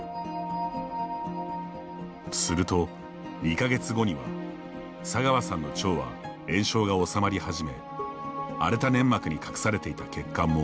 すると、２か月後には佐川さんの腸は炎症が治まり始め荒れた粘膜に隠されていた血管も見えるようになりました。